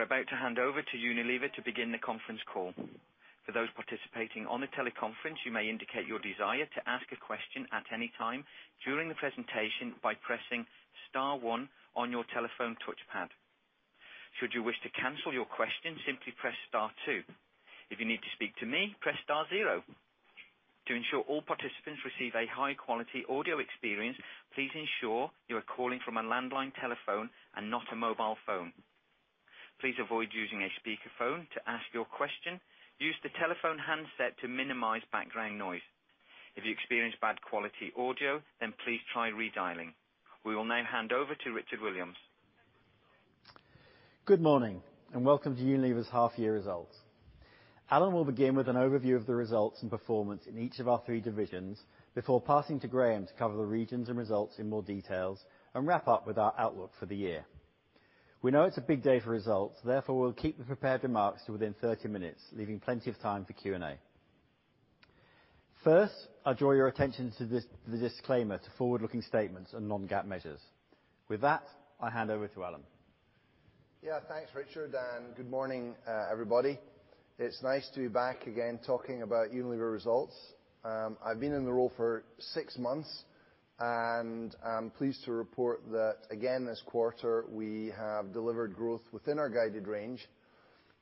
We are about to hand over to Unilever to begin the conference call. For those participating on the teleconference, you may indicate your desire to ask a question at any time during the presentation by pressing star one on your telephone touchpad. Should you wish to cancel your question, simply press star two. If you need to speak to me, press star zero. To ensure all participants receive a high quality audio experience, please ensure you are calling from a landline telephone and not a mobile phone. Please avoid using a speakerphone to ask your question. Use the telephone handset to minimize background noise. If you experience bad quality audio, please try redialing. We will now hand over to Richard Williams. Good morning, and welcome to Unilever's half year results. Alan will begin with an overview of the results and performance in each of our three divisions before passing to Graeme to cover the regions and results in more details, and wrap up with our outlook for the year. We know it's a big day for results, therefore, we'll keep the prepared remarks to within 30 minutes, leaving plenty of time for Q&A. First, I'll draw your attention to the disclaimer to forward-looking statements and non-GAAP measures. With that, I hand over to Alan. Yeah. Thanks, Richard, and good morning, everybody. It's nice to be back again talking about Unilever results. I've been in the role for six months, and I'm pleased to report that again, this quarter, we have delivered growth within our guided range.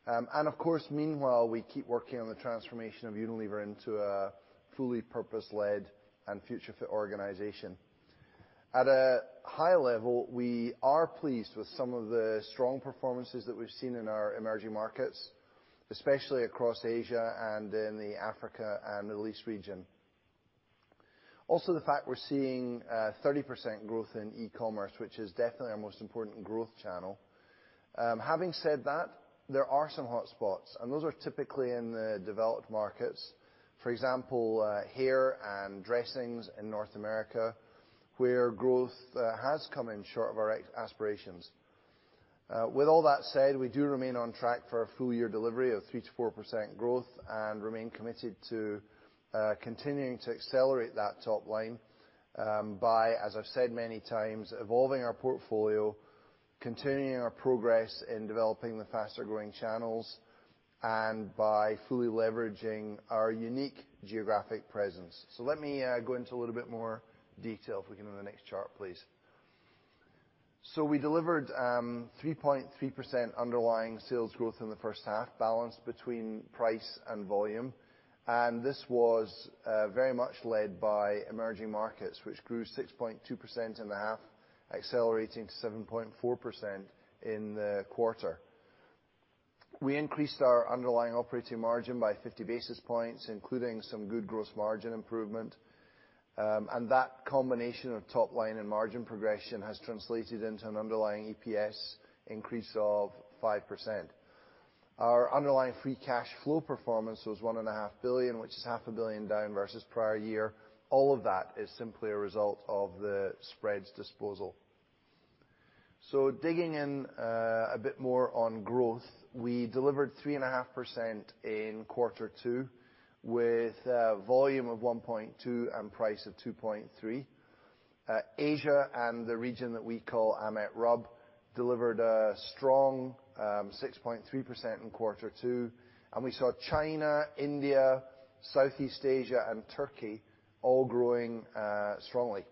Of course, meanwhile, we keep working on the transformation of Unilever into a fully purpose-led and future fit organization. At a high level, we are pleased with some of the strong performances that we've seen in our emerging markets, especially across Asia and in the Africa and Middle East region. Also, the fact we're seeing 30% growth in e-commerce, which is definitely our most important growth channel. Having said that, there are some hotspots, and those are typically in the developed markets. For example, hair and dressings in North America, where growth has come in short of our aspirations. With all that said, we do remain on track for a full year delivery of 3%-4% growth and remain committed to continuing to accelerate that top line by, as I've said many times, evolving our portfolio, continuing our progress in developing the faster-growing channels, and by fully leveraging our unique geographic presence. Let me go into a little bit more detail if we can go to the next chart, please. We delivered 3.3% underlying sales growth in the first half, balanced between price and volume. This was very much led by emerging markets, which grew 6.2% in the half, accelerating to 7.4% in the quarter. We increased our underlying operating margin by 50 basis points, including some good gross margin improvement. That combination of top line and margin progression has translated into an underlying EPS increase of 5%. Our underlying free cash flow performance was 1.5 billion, which is half a billion down versus prior year. All of that is simply a result of the Spread's disposal. Digging in a bit more on growth, we delivered 3.5% in quarter two with volume of 1.2% and price of 2.3%. Asia and the region that we call AMET/RUB delivered a strong 6.3% in quarter two, and we saw China, India, Southeast Asia, and Turkey all growing strongly.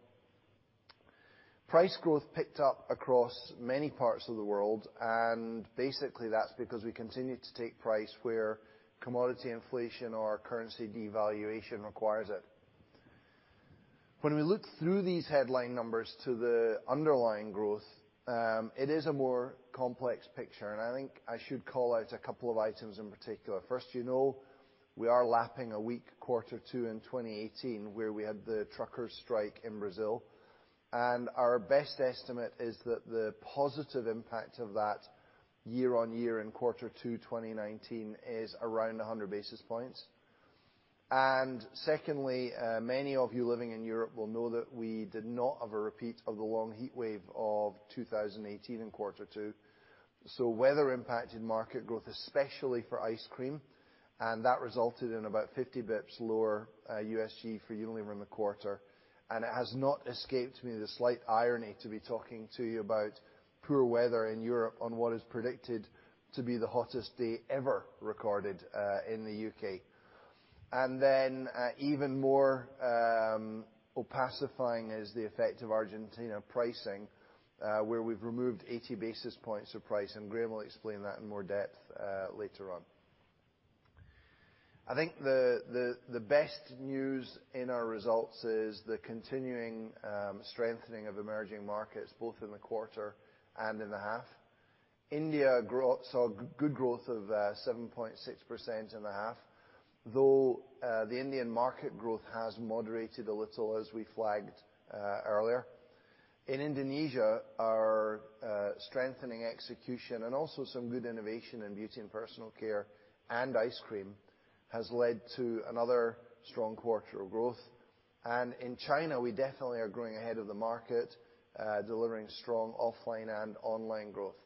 Price growth picked up across many parts of the world, and basically that's because we continued to take price where commodity inflation or currency devaluation requires it. When we look through these headline numbers to the underlying growth, it is a more complex picture, and I think I should call out a couple of items in particular. First, you know we are lapping a weak quarter two in 2018 where we had the truckers strike in Brazil, and our best estimate is that the positive impact of that year-over-year in quarter two 2019 is around 100 basis points. Secondly, many of you living in Europe will know that we did not have a repeat of the long heat wave of 2018 in quarter two, so weather impacted market growth, especially for ice cream, and that resulted in about 50 basis points lower USG for Unilever in the quarter. It has not escaped me the slight irony to be talking to you about poor weather in Europe on what is predicted to be the hottest day ever recorded in the U.K. Then even more opacifying is the effect of Argentina pricing, where we've removed 80 basis points of price, and Graeme will explain that in more depth later on. I think the best news in our results is the continuing strengthening of emerging markets both in the quarter and in the half. India saw good growth of 7.6% in the half, though the Indian market growth has moderated a little as we flagged earlier. In Indonesia, our strengthening execution and also some good innovation in beauty and personal care and ice cream has led to another strong quarter of growth. In China, we definitely are growing ahead of the market, delivering strong offline and online growth.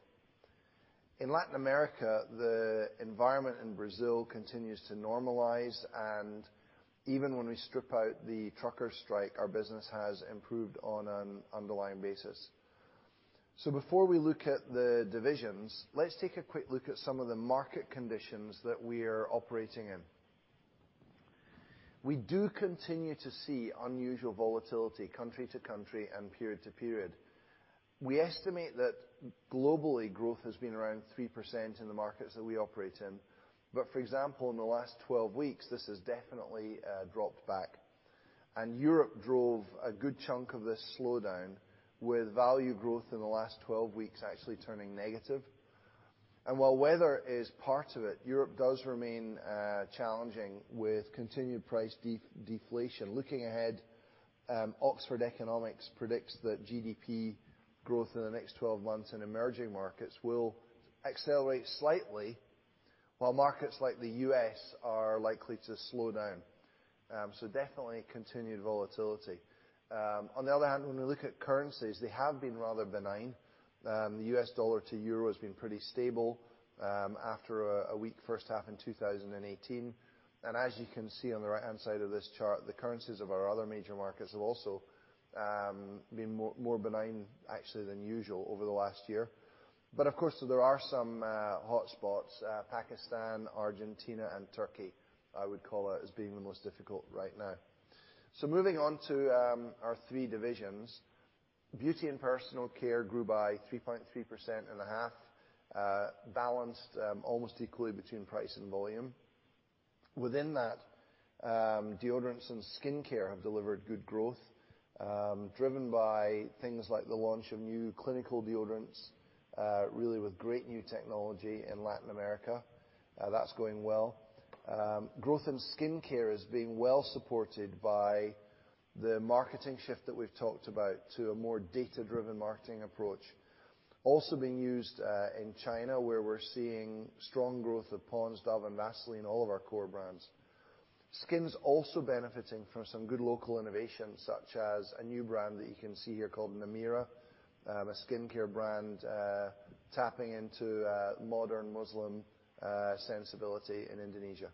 In Latin America, the environment in Brazil continues to normalize, and even when we strip out the trucker strike, our business has improved on an underlying basis. Before we look at the divisions, let's take a quick look at some of the market conditions that we are operating in. We do continue to see unusual volatility country to country and period to period. We estimate that globally, growth has been around 3% in the markets that we operate in. For example, in the last 12 weeks, this has definitely dropped back, and Europe drove a good chunk of this slowdown with value growth in the last 12 weeks actually turning negative. While weather is part of it, Europe does remain challenging with continued price deflation. Looking ahead, Oxford Economics predicts that GDP growth in the next 12 months in emerging markets will accelerate slightly, while markets like the U.S. are likely to slow down. Definitely continued volatility. On the other hand, when we look at currencies, they have been rather benign. The U.S. dollar to EUR has been pretty stable after a weak first half in 2018. As you can see on the right-hand side of this chart, the currencies of our other major markets have also been more benign actually than usual over the last year. Of course, there are some hotspots, Pakistan, Argentina, and Turkey, I would call out as being the most difficult right now. Moving on to our three divisions. Beauty and personal care grew by 3.3% in the half, balanced almost equally between price and volume. Within that, deodorants and skincare have delivered good growth, driven by things like the launch of new clinical deodorants, really with great new technology in Latin America. That's going well. Growth in skincare is being well supported by the marketing shift that we've talked about to a more data-driven marketing approach. Also being used in China, where we're seeing strong growth of POND'S, Dove, and Vaseline, all of our core brands. Skin's also benefiting from some good local innovation, such as a new brand that you can see here called Nameera, a skincare brand tapping into modern Muslim sensibility in Indonesia.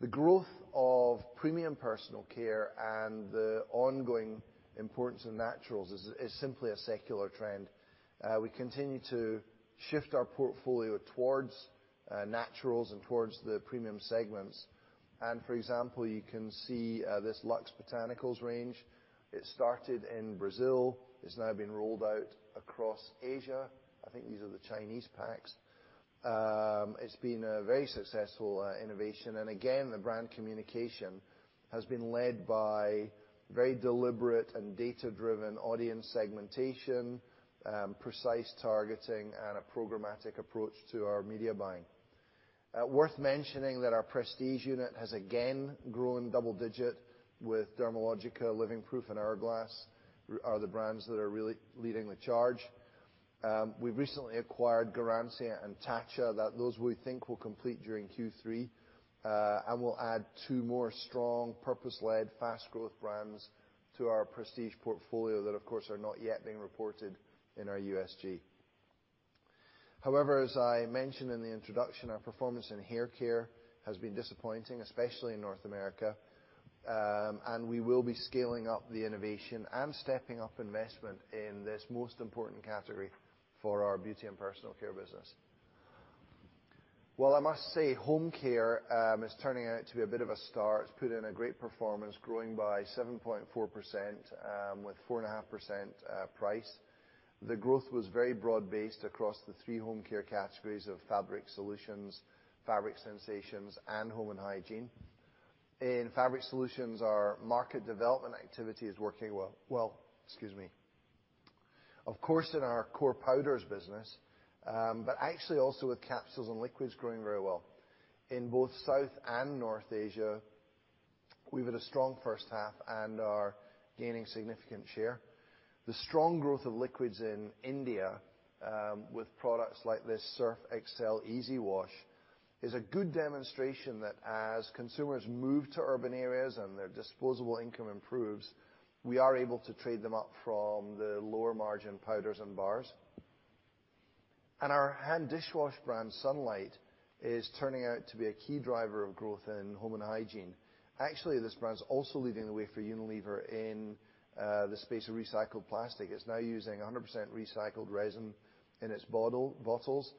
The growth of premium personal care and the ongoing importance of naturals is simply a secular trend. We continue to shift our portfolio towards naturals and towards the premium segments. For example, you can see this LUX Botanicals range. It started in Brazil, it's now been rolled out across Asia. I think these are the Chinese packs. It's been a very successful innovation. Again, the brand communication has been led by very deliberate and data-driven audience segmentation, precise targeting, and a programmatic approach to our media buying. Worth mentioning that our prestige unit has again grown double-digit with Dermalogica, Living Proof, and Hourglass are the brands that are really leading the charge. We've recently acquired Garancia and Tatcha. Those we think will complete during Q3, and will add two more strong purpose-led fast growth brands to our prestige portfolio that, of course, are not yet being reported in our USG. However, as I mentioned in the introduction, our performance in hair care has been disappointing, especially in North America, and we will be scaling up the innovation and stepping up investment in this most important category for our beauty and personal care business. I must say home care is turning out to be a bit of a star. It's put in a great performance, growing by 7.4% with 4.5% price. The growth was very broad-based across the three home care categories of fabric solutions, fabric sensations, and home and hygiene. In fabric solutions, our market development activity is working well. Excuse me. Of course, in our core powders business, but actually also with capsules and liquids growing very well. In both South and North Asia, we've had a strong first half and are gaining significant share. The strong growth of liquids in India, with products like this Surf Excel Easy Wash, is a good demonstration that as consumers move to urban areas and their disposable income improves, we are able to trade them up from the lower margin powders and bars. Our hand dishwash brand, Sunlight, is turning out to be a key driver of growth in home and hygiene. Actually, this brand is also leading the way for Unilever in the space of recycled plastic. It's now using 100% recycled resin in its bottles,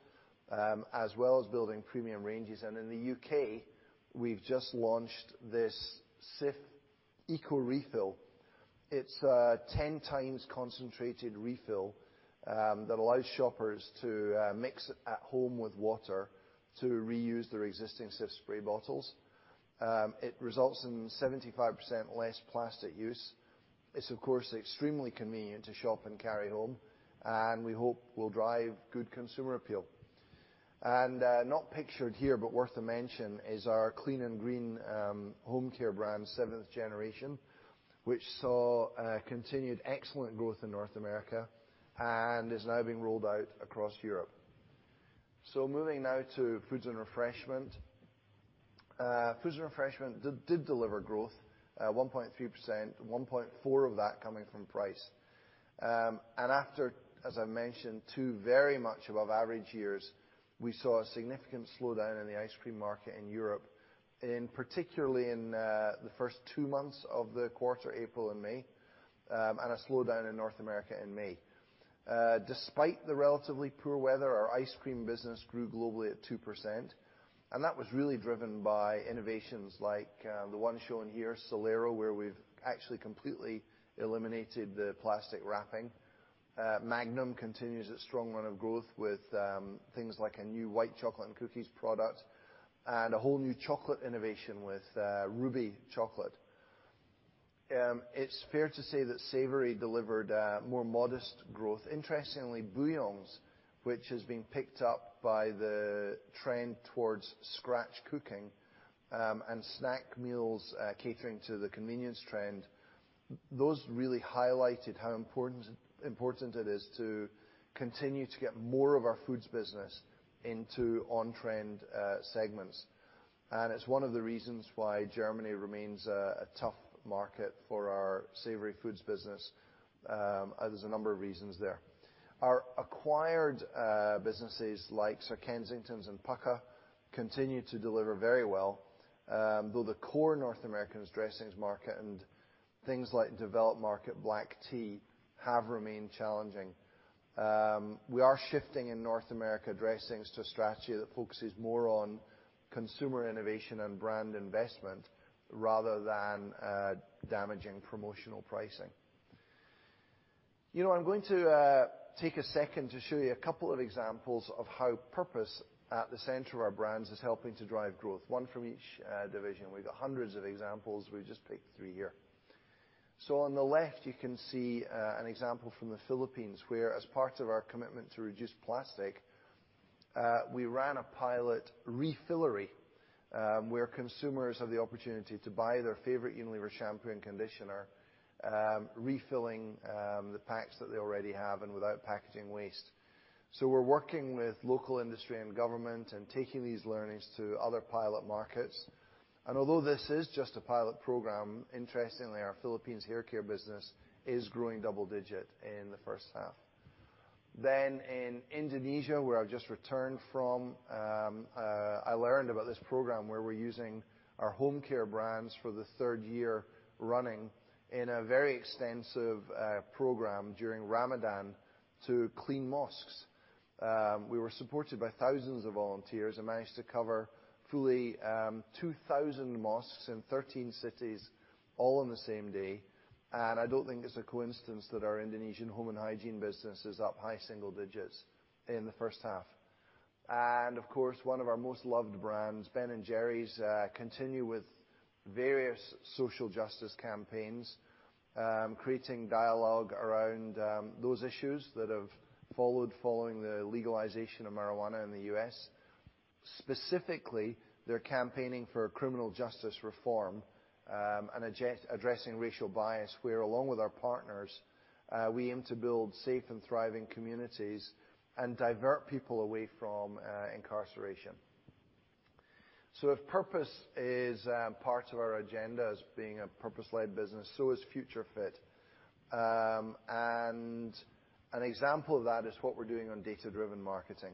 as well as building premium ranges. In the U.K., we've just launched this Cif ecorefill. It's a 10 times concentrated refill that allows shoppers to mix at home with water to reuse their existing Cif spray bottles. It results in 75% less plastic use. It's of course extremely convenient to shop and carry home, and we hope will drive good consumer appeal. Not pictured here, but worth a mention, is our clean and green home care brand, Seventh Generation, which saw continued excellent growth in North America and is now being rolled out across Europe. Moving now to Foods and Refreshment. Foods and Refreshment did deliver growth at 1.3%, 1.4% of that coming from price. After, as I mentioned, two very much above average years, we saw a significant slowdown in the ice cream market in Europe, particularly in the first two months of the quarter, April and May, and a slowdown in North America in May. Despite the relatively poor weather, our ice cream business grew globally at 2%, that was really driven by innovations like the one shown here, Solero, where we've actually completely eliminated the plastic wrapping. Magnum continues its strong run of growth with things like a new White Chocolate & Cookies product and a whole new chocolate innovation with ruby chocolate. It's fair to say that savory delivered a more modest growth. Interestingly, bouillons, which has been picked up by the trend towards scratch cooking, and snack meals catering to the convenience trend, those really highlighted how important it is to continue to get more of our foods business into on-trend segments. It's one of the reasons why Germany remains a tough market for our savory foods business. There's a number of reasons there. Our acquired businesses like Sir Kensington's and Pukka continue to deliver very well, though the core North Americans dressings market and things like developed market black tea have remained challenging. We are shifting in North America dressings to a strategy that focuses more on consumer innovation and brand investment rather than damaging promotional pricing. I'm going to take a second to show you a couple of examples of how purpose at the center of our brands is helping to drive growth, one from each division. We've got hundreds of examples. We've just picked three here. On the left, you can see an example from the Philippines, where as part of our commitment to reduce plastic, we ran a pilot refillery, where consumers have the opportunity to buy their favorite Unilever shampoo and conditioner, refilling the packs that they already have and without packaging waste. We're working with local industry and government and taking these learnings to other pilot markets. Although this is just a pilot program, interestingly, our Philippines hair care business is growing double digit in the first half. In Indonesia, where I've just returned from, I learned about this program where we're using our home care brands for the third year running in a very extensive program during Ramadan to clean mosques. We were supported by thousands of volunteers and managed to cover fully 2,000 mosques in 13 cities all on the same day. I don't think it's a coincidence that our Indonesian home and hygiene business is up high single digits in the first half. Of course, one of our most loved brands, Ben & Jerry's, continue with various social justice campaigns, creating dialogue around those issues that are following the legalization of marijuana in the U.S. Specifically, they're campaigning for criminal justice reform, and addressing racial bias, where along with our partners, we aim to build safe and thriving communities and divert people away from incarceration. If purpose is part of our agenda as being a purpose-led business, so is future fit. An example of that is what we're doing on data-driven marketing.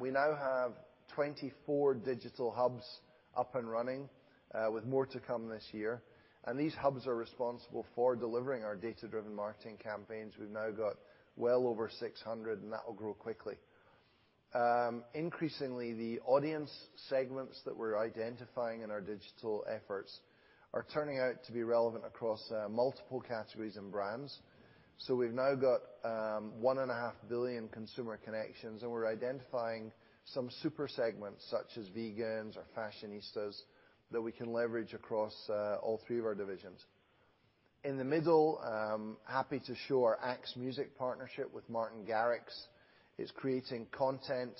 We now have 24 digital hubs up and running with more to come this year. These hubs are responsible for delivering our data-driven marketing campaigns. We've now got well over 600. That will grow quickly. Increasingly, the audience segments that we're identifying in our digital efforts are turning out to be relevant across multiple categories and brands. We've now got 1.5 billion consumer connections. We're identifying some super segments, such as vegans or fashionistas, that we can leverage across all three of our divisions. In the middle, happy to show our Axe Music partnership with Martin Garrix. It's creating content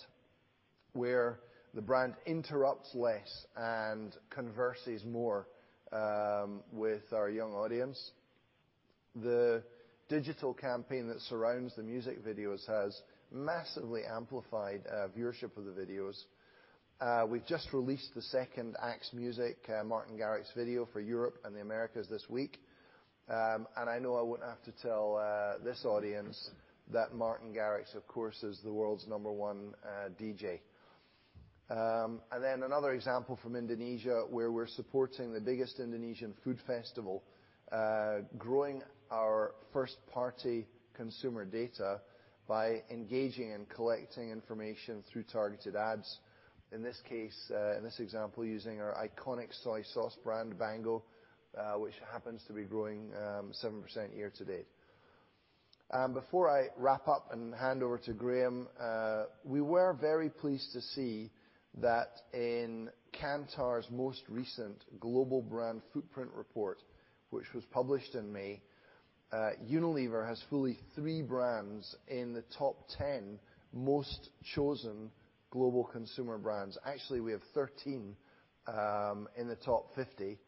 where the brand interrupts less and converses more with our young audience. The digital campaign that surrounds the music videos has massively amplified viewership of the videos. We've just released the second Axe Music Martin Garrix video for Europe and the Americas this week. I know I wouldn't have to tell this audience that Martin Garrix, of course, is the world's number 1 DJ. Another example from Indonesia, where we're supporting the biggest Indonesian food festival, growing our first-party consumer data by engaging and collecting information through targeted ads. In this case, in this example, using our iconic soy sauce brand, Bango, which happens to be growing 7% year to date. Before I wrap up and hand over to Graeme, we were very pleased to see that in Kantar's most recent Global Brand Footprint Report, which was published in May, Unilever has fully three brands in the top 10 most chosen global consumer brands. Actually, we have 13 in the top 50,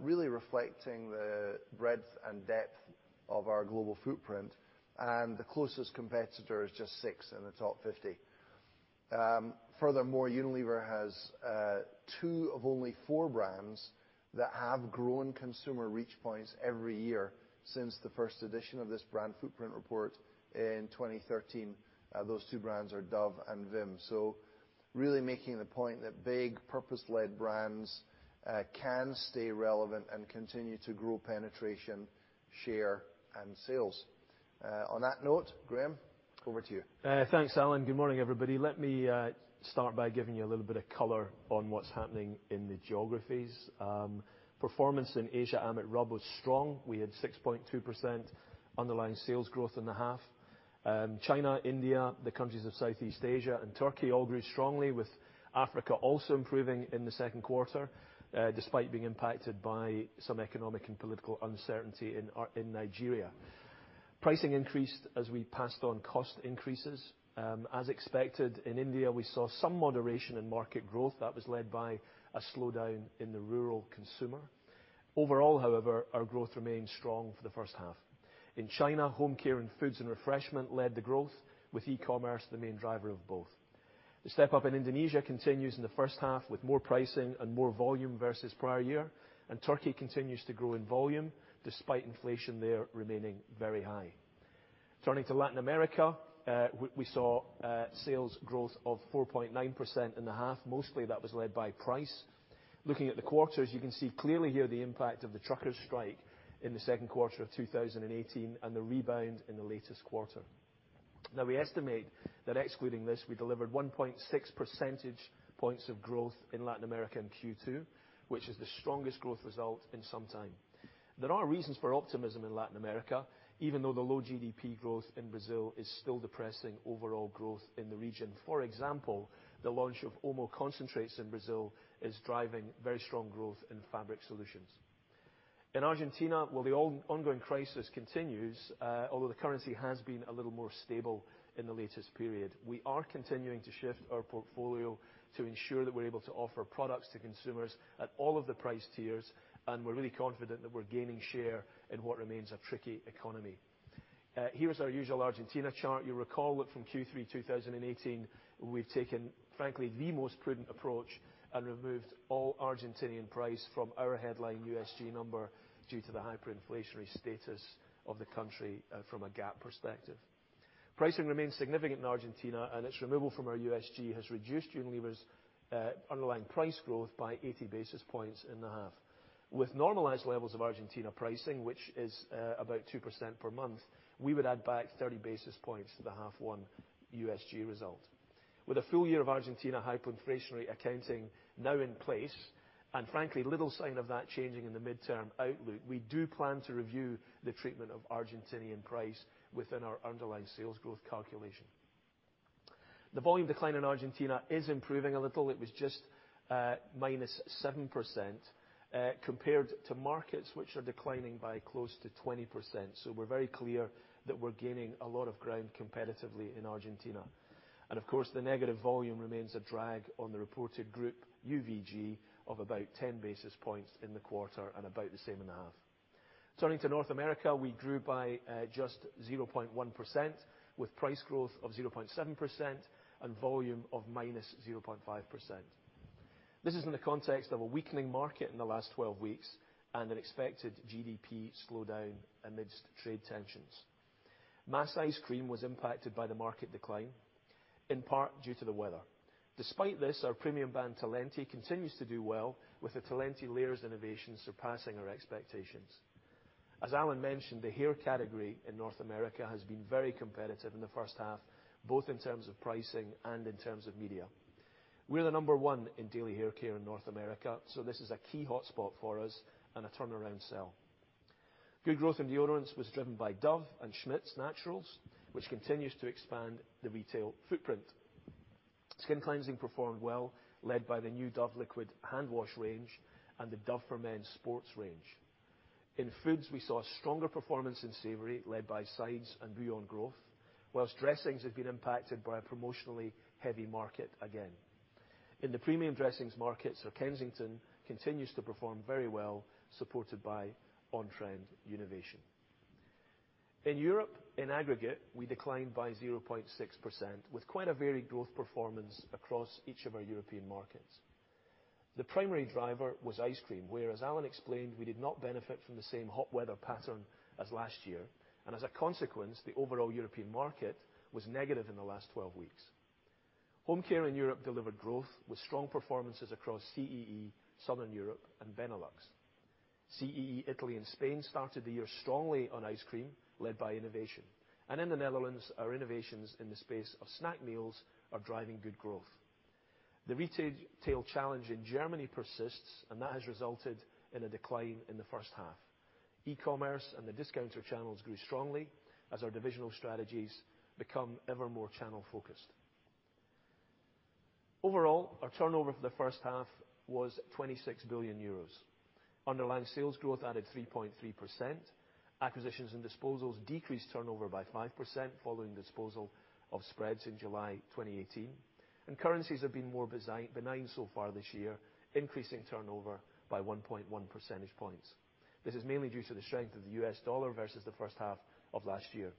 really reflecting the breadth and depth of our global footprint, and the closest competitor is just six in the top 50. Furthermore, Unilever has two of only four brands that have grown consumer reach points every year since the first edition of this Brand Footprint Report in 2013. Those two brands are Dove and Vim. Really making the point that big purpose-led brands can stay relevant and continue to grow penetration, share, and sales. On that note, Graeme, over to you. Thanks, Alan. Good morning, everybody. Let me start by giving you a little bit of color on what's happening in the geographies. Performance in Asia/AMET/RUB was strong. We had 6.2% underlying sales growth in the half. China, India, the countries of Southeast Asia, and Turkey all grew strongly, with Africa also improving in the second quarter, despite being impacted by some economic and political uncertainty in Nigeria. Pricing increased as we passed on cost increases. As expected, in India, we saw some moderation in market growth that was led by a slowdown in the rural consumer. Overall, however, our growth remained strong for the first half. In China, home care and foods and refreshment led the growth, with e-commerce the main driver of both. The step up in Indonesia continues in the first half with more pricing and more volume versus prior year. Turkey continues to grow in volume despite inflation there remaining very high. Turning to Latin America, we saw sales growth of 4.9% in the half. Mostly that was led by price. Looking at the quarters, you can see clearly here the impact of the truckers' strike in the second quarter of 2018 and the rebound in the latest quarter. We estimate that excluding this, we delivered 1.6 percentage points of growth in Latin America in Q2, which is the strongest growth result in some time. There are reasons for optimism in Latin America, even though the low GDP growth in Brazil is still depressing overall growth in the region. For example, the launch of OMO Concentrates in Brazil is driving very strong growth in fabric solutions. In Argentina, while the ongoing crisis continues, although the currency has been a little more stable in the latest period. We are continuing to shift our portfolio to ensure that we're able to offer products to consumers at all of the price tiers, and we're really confident that we're gaining share in what remains a tricky economy. Here is our usual Argentina chart. You recall that from Q3 2018, we've taken, frankly, the most prudent approach and removed all Argentinian price from our headline USG number due to the hyperinflationary status of the country from a GAAP perspective. Pricing remains significant in Argentina, and its removal from our USG has reduced Unilever's underlying price growth by 80 basis points in the half. With normalized levels of Argentina pricing, which is about 2% per month, we would add back 30 basis points to the half one USG result. With a full year of Argentina hyperinflationary accounting now in place, and frankly, little sign of that changing in the midterm outlook, we do plan to review the treatment of Argentinian price within our underlying sales growth calculation. The volume decline in Argentina is improving a little. It was just -7% compared to markets which are declining by close to 20%. We're very clear that we're gaining a lot of ground competitively in Argentina. Of course, the negative volume remains a drag on the reported group UVG of about 10 basis points in the quarter and about the same in the half. Turning to North America, we grew by just 0.1%, with price growth of 0.7% and volume of -0.5%. This is in the context of a weakening market in the last 12 weeks and an expected GDP slowdown amidst trade tensions. Mass ice cream was impacted by the market decline, in part due to the weather. Despite this, our premium brand, Talenti, continues to do well with the Talenti Layers innovation surpassing our expectations. As Alan mentioned, the hair category in North America has been very competitive in the first half, both in terms of pricing and in terms of media. We're the number 1 in daily hair care in North America, so this is a key hotspot for us and a turnaround cell. Good growth in deodorants was driven by Dove and Schmidt's Naturals, which continues to expand the retail footprint. Skin cleansing performed well, led by the new Dove Liquid Hand Wash range and the Dove Men+Care Sport range. In foods, we saw a stronger performance in savory led by sides and beyond growth, whilst dressings have been impacted by a promotionally heavy market again. In the premium dressings markets, Sir Kensington's continues to perform very well, supported by on-trend innovation. In Europe, in aggregate, we declined by 0.6%, with quite a varied growth performance across each of our European markets. The primary driver was ice cream, where, as Alan explained, we did not benefit from the same hot weather pattern as last year, and as a consequence, the overall European market was negative in the last 12 weeks. Home care in Europe delivered growth with strong performances across CEE, Southern Europe, and Benelux. CEE, Italy, and Spain started the year strongly on ice cream, led by innovation. In the Netherlands, our innovations in the space of snack meals are driving good growth. The retail challenge in Germany persists, and that has resulted in a decline in the first half. E-commerce and the discounter channels grew strongly as our divisional strategies become ever more channel-focused. Overall, our turnover for the first half was €26 billion. Underlying sales growth added 3.3%. Acquisitions and disposals decreased turnover by 5% following disposal of spreads in July 2018. Currencies have been more benign so far this year, increasing turnover by 1.1 percentage points. This is mainly due to the strength of the US dollar versus the first half of last year.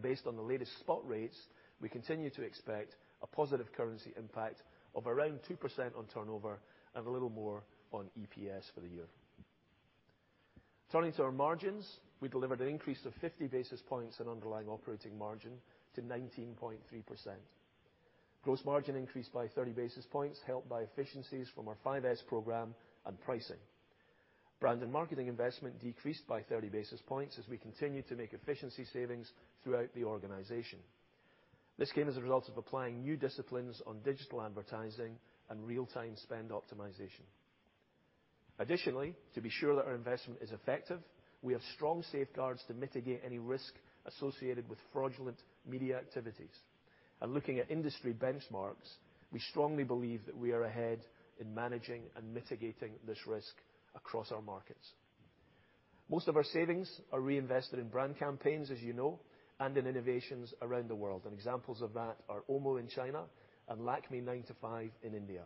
Based on the latest spot rates, we continue to expect a positive currency impact of around 2% on turnover and a little more on EPS for the year. Turning to our margins, we delivered an increase of 50 basis points in underlying operating margin to 19.3%. Gross margin increased by 30 basis points, helped by efficiencies from our 5S program and pricing. Brand and marketing investment decreased by 30 basis points as we continue to make efficiency savings throughout the organization. This came as a result of applying new disciplines on digital advertising and real-time spend optimization. Additionally, to be sure that our investment is effective, we have strong safeguards to mitigate any risk associated with fraudulent media activities. Looking at industry benchmarks, we strongly believe that we are ahead in managing and mitigating this risk across our markets. Most of our savings are reinvested in brand campaigns, as you know, and in innovations around the world, and examples of that are OMO in China and Lakmé 9 to 5 in India.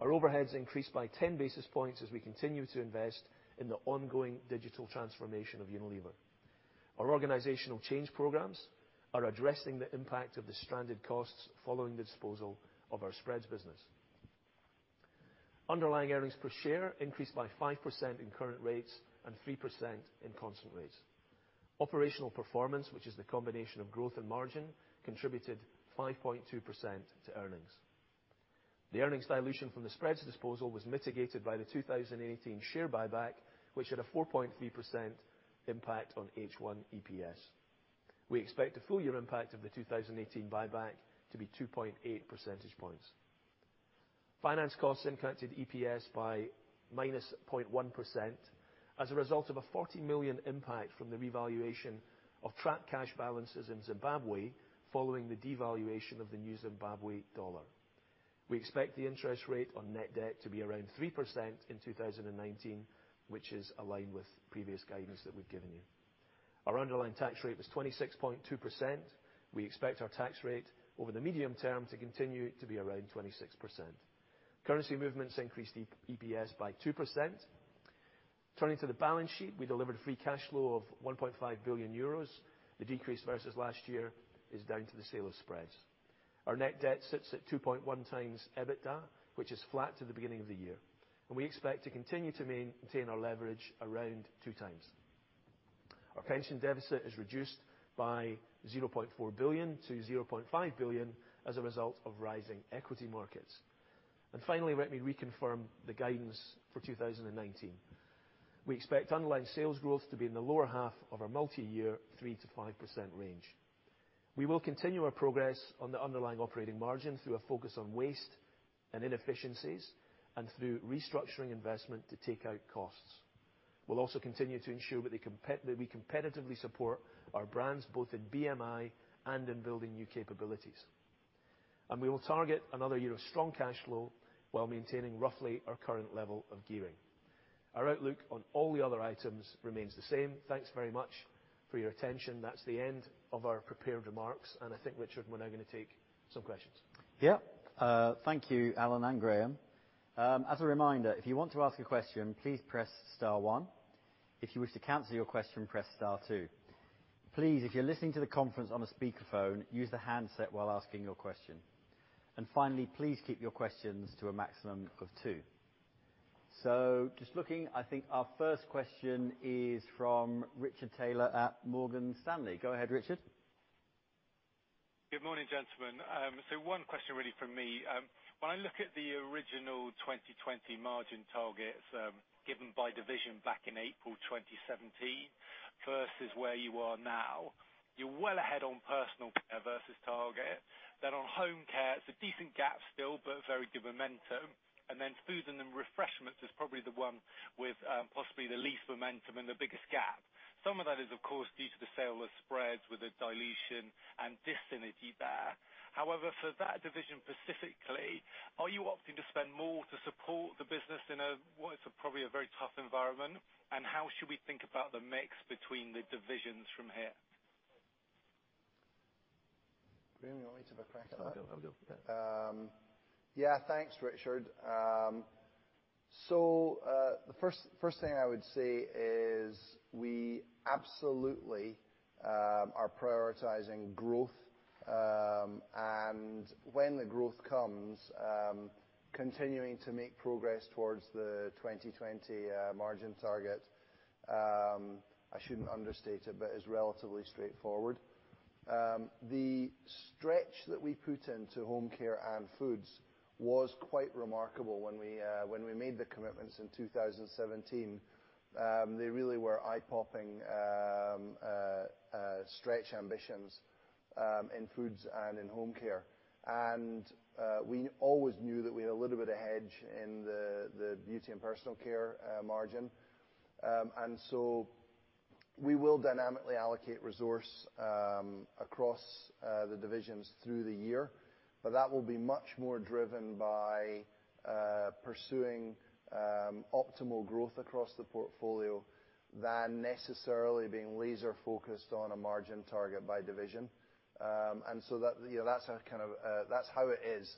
Our overheads increased by 10 basis points as we continue to invest in the ongoing digital transformation of Unilever. Our organizational change programs are addressing the impact of the stranded costs following the disposal of our spreads business. Underlying earnings per share increased by 5% in current rates and 3% in constant rates. Operational performance, which is the combination of growth and margin, contributed 5.2% to earnings. The earnings dilution from the spreads disposal was mitigated by the 2018 share buyback, which had a 4.3% impact on H1 EPS. We expect the full year impact of the 2018 buyback to be 2.8 percentage points. Finance costs impacted EPS by -0.1% as a result of a 40 million impact from the revaluation of trapped cash balances in Zimbabwe following the devaluation of the new Zimbabwe dollar. We expect the interest rate on net debt to be around 3% in 2019, which is aligned with previous guidance that we've given you. Our underlying tax rate was 26.2%. We expect our tax rate over the medium term to continue to be around 26%. Currency movements increased EPS by 2%. Turning to the balance sheet, we delivered free cash flow of €1.5 billion. The decrease versus last year is down to the sale of spreads. Our net debt sits at 2.1 times EBITDA, which is flat to the beginning of the year. We expect to continue to maintain our leverage around two times. Our pension deficit is reduced by 0.4 billion to 0.5 billion as a result of rising equity markets. Finally, let me reconfirm the guidance for 2019. We expect underlying sales growth to be in the lower half of our multi-year 3%-5% range. We will continue our progress on the underlying operating margin through a focus on waste and inefficiencies and through restructuring investment to take out costs. We will also continue to ensure that we competitively support our brands, both in BMI and in building new capabilities. We will target another year of strong cash flow while maintaining roughly our current level of gearing. Our outlook on all the other items remains the same. Thanks very much for your attention. That's the end of our prepared remarks. I think, Richard, we're now going to take some questions. Yeah. Thank you, Alan and Graeme. As a reminder, if you want to ask a question, please press star one. If you wish to cancel your question, press star two. Please, if you're listening to the conference on a speakerphone, use the handset while asking your question. Finally, please keep your questions to a maximum of two. Just looking, I think our first question is from Richard Taylor at Morgan Stanley. Go ahead, Richard. Good morning, gentlemen. One question really from me. When I look at the original 2020 margin targets given by division back in April 2017 versus where you are now, you're well ahead on personal care versus target. On home care, it's a decent gap still, but very good momentum. Foods and refreshments is probably the one with possibly the least momentum and the biggest gap. Some of that is, of course, due to the sale of spreads with the dilution and dissynergy there. However, for that division specifically, are you opting to spend more to support the business in a, what is probably a very tough environment, and how should we think about the mix between the divisions from here? Graeme, you want to have a crack at that? I'll have a go. Yeah. Thanks, Richard. The first thing I would say is we absolutely are prioritizing growth, and when the growth comes, continuing to make progress towards the 2020 margin target, I shouldn't understate it, but is relatively straightforward. The stretch that we put into home care and foods was quite remarkable when we made the commitments in 2017. They really were eye-popping stretch ambitions in foods and in home care. We always knew that we had a little bit of hedge in the beauty and personal care margin. We will dynamically allocate resource across the divisions through the year, but that will be much more driven by pursuing optimal growth across the portfolio than necessarily being laser focused on a margin target by division. That's how it is,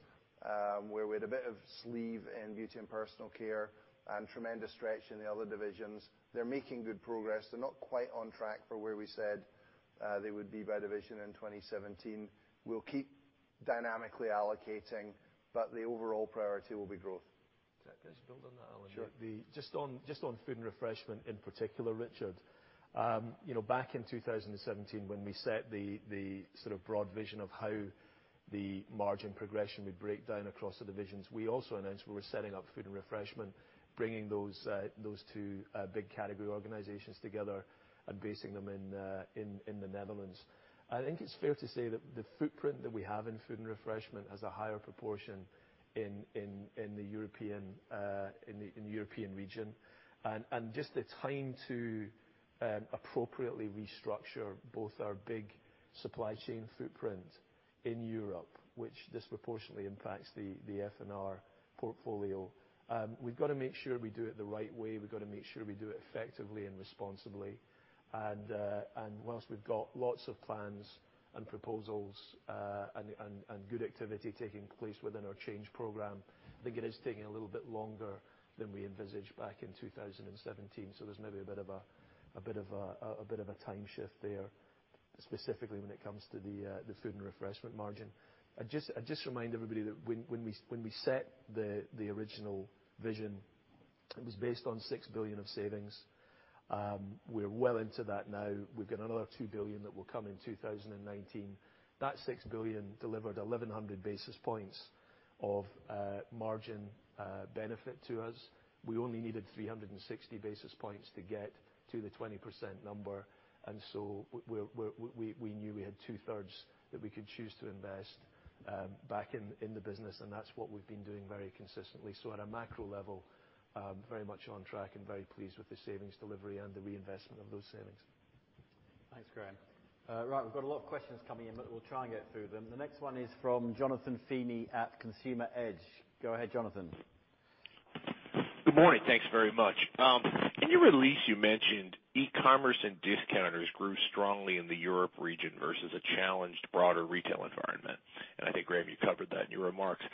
where we had a bit of sleeve in Beauty and Personal Care and tremendous stretch in the other divisions. They're making good progress. They're not quite on track for where we said they would be by division in 2017. We'll keep dynamically allocating, but the overall priority will be growth. Can I please build on that, Alan? Sure. On Food and Refreshment in particular, Richard. Back in 2017, when we set the broad vision of how the margin progression would break down across the divisions, we also announced we were setting up Food and Refreshment, bringing those two big category organizations together and basing them in the Netherlands. I think it's fair to say that the footprint that we have in Food and Refreshment has a higher proportion in the European region, and just the time to appropriately restructure both our big supply chain footprint in Europe, which disproportionately impacts the F&R portfolio. We've got to make sure we do it the right way. We've got to make sure we do it effectively and responsibly. Whilst we've got lots of plans and proposals, and good activity taking place within our change program, I think it is taking a little bit longer than we envisaged back in 2017. There's maybe a bit of a time shift there, specifically when it comes to the Food and Refreshment margin. I'd just remind everybody that when we set the original vision, it was based on 6 billion of savings. We're well into that now. We've got another 2 billion that will come in 2019. That 6 billion delivered 1,100 basis points of margin benefit to us. We only needed 360 basis points to get to the 20% number, so we knew we had two-thirds that we could choose to invest back in the business, that's what we've been doing very consistently. At a macro level, very much on track and very pleased with the savings delivery and the reinvestment of those savings. Thanks, Graeme. We've got a lot of questions coming in, but we'll try and get through them. The next one is from Jonathan Feeney at Consumer Edge. Go ahead, Jonathan. Good morning. Thanks very much. In your release, you mentioned e-commerce and discounters grew strongly in the Europe region versus a challenged broader retail environment, and I think, Graeme, you covered that in your remarks.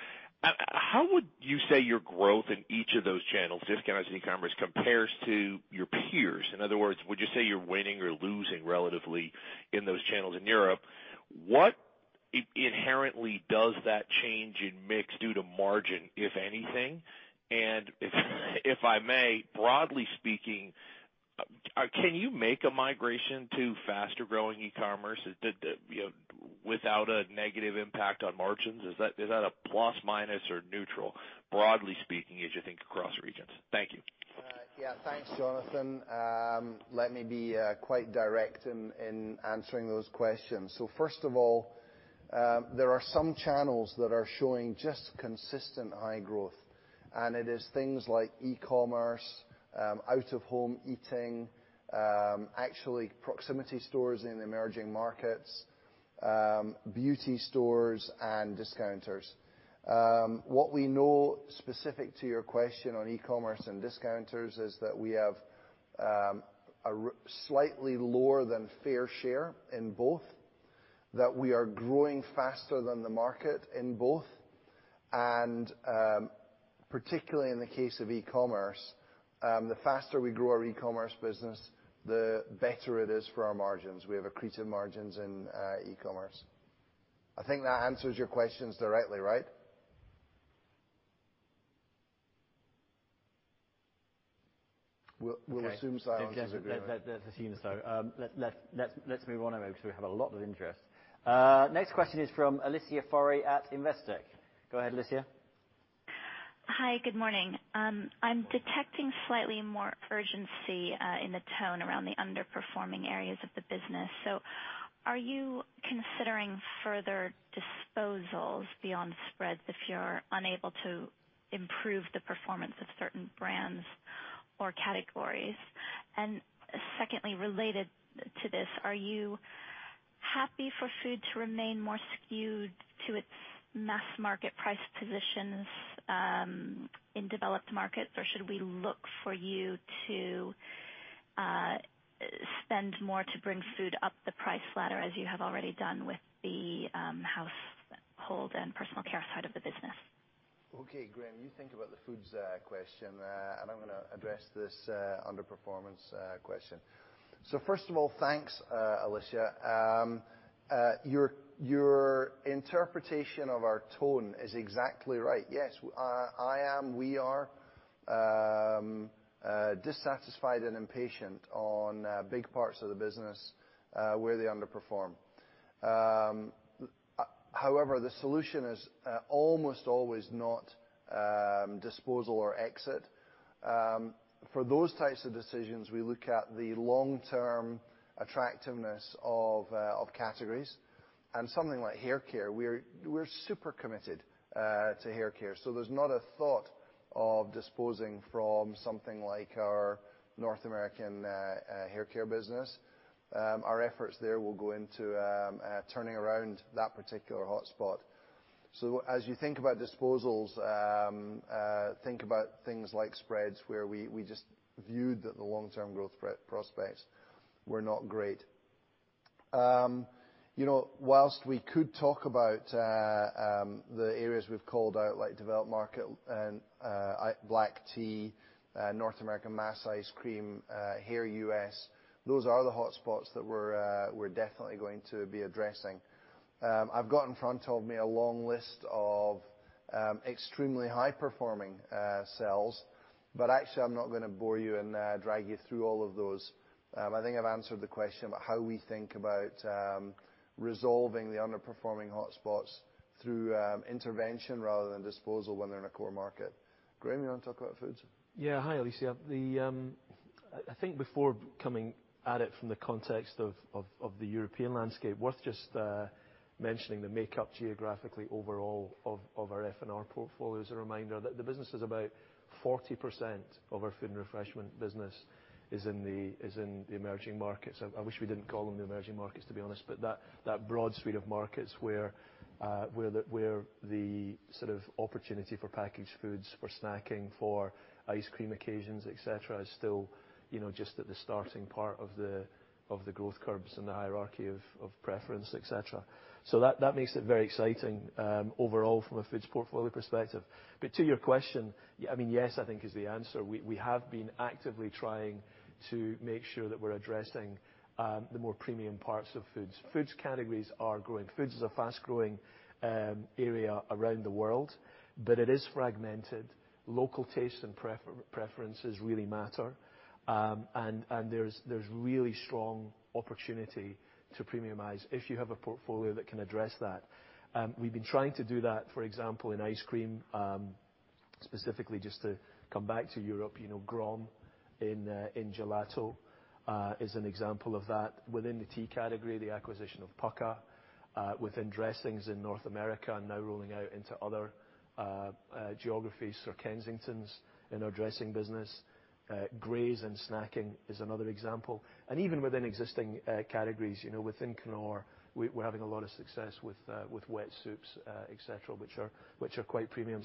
How would you say your growth in each of those channels, discount as e-commerce, compares to your peers? In other words, would you say you're winning or losing relatively in those channels in Europe? What inherently does that change in mix do to margin, if anything? If I may, broadly speaking, can you make a migration to faster growing e-commerce without a negative impact on margins? Is that a plus, minus, or neutral, broadly speaking, as you think across regions? Thank you. Yeah. Thanks, Jonathan. Let me be quite direct in answering those questions. First of all, there are some channels that are showing just consistent high growth, and it is things like e-commerce, out of home eating, actually proximity stores in emerging markets, beauty stores, and discounters. What we know specific to your question on e-commerce and discounters is that we have a slightly lower than fair share in both, that we are growing faster than the market in both, and particularly in the case of e-commerce, the faster we grow our e-commerce business, the better it is for our margins. We have accretive margins in e-commerce. I think that answers your questions directly, right? We'll assume silence is agreement. Let's assume so. Let's move on, everybody, because we have a lot of interest. Next question is from Alicia Forry at Investec. Go ahead, Alicia. Hi. Good morning. I'm detecting slightly more urgency in the tone around the underperforming areas of the business. Are you considering further disposals beyond spreads if you're unable to improve the performance of certain brands or categories? Secondly, related to this, are you happy for Food to remain more skewed to its mass market price positions, in developed markets? Should we look for you to spend more to bring Food up the price ladder, as you have already done with the household and personal care side of the business? Okay, Graeme, you think about the Foods question, and I'm going to address this underperformance question. First of all, thanks, Alicia. Your interpretation of our tone is exactly right. Yes, we are dissatisfied and impatient on big parts of the business where they underperform. However, the solution is almost always not disposal or exit. For those types of decisions, we look at the long-term attractiveness of categories and something like hair care, we're super committed to hair care. There's not a thought of disposing from something like our North American hair care business. Our efforts there will go into turning around that particular hotspot. As you think about disposals, think about things like spreads, where we just viewed that the long-term growth prospects were not great. While we could talk about the areas we've called out, like developed market and black tea, North American mass ice cream, hair U.S., those are the hotspots that we're definitely going to be addressing. I've got in front of me a long list of extremely high-performing cells, but actually, I'm not going to bore you and drag you through all of those. I think I've answered the question about how we think about resolving the underperforming hotspots through intervention rather than disposal when they're in a core market. Graeme, you want to talk about foods? Yeah. Hi, Alicia. I think before coming at it from the context of the European landscape, worth just mentioning the makeup geographically overall of our F&R portfolio as a reminder that the business is about 40% of our food and refreshment business is in the emerging markets. I wish we didn't call them the emerging markets, to be honest. That broad suite of markets where the sort of opportunity for packaged foods, for snacking, for ice cream occasions, et cetera, is still just at the starting part of the growth curves and the hierarchy of preference, et cetera. That makes it very exciting overall from a foods portfolio perspective. To your question, yes, I think is the answer. We have been actively trying to make sure that we're addressing the more premium parts of foods. Foods categories are growing. Foods is a fast-growing area around the world, but it is fragmented. Local tastes and preferences really matter. There's really strong opportunity to premiumize if you have a portfolio that can address that. We've been trying to do that, for example, in ice cream, specifically just to come back to Europe, Grom in gelato, is an example of that. Within the tea category, the acquisition of Pukka, within dressings in North America, and now rolling out into other geographies, Sir Kensington's in our dressing business. Graze and snacking is another example. Even within existing categories, within Knorr, we're having a lot of success with wet soups, et cetera, which are quite premium.